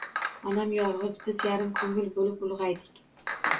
Onam yolg`iz, biz yarim ko`ngil bo`lib ulg`aydik